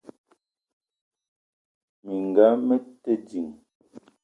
Minga mete ding.